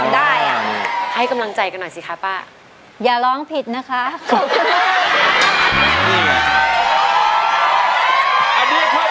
ตัวช่วยละครับเหลือใช้ได้อีกสองแผ่นป้ายในเพลงนี้จะหยุดทำไมสู้อยู่แล้วนะครับ